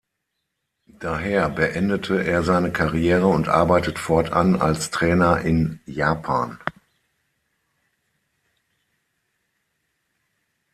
Daher beendete er seine Karriere und arbeitet fortan als Trainer in Japan.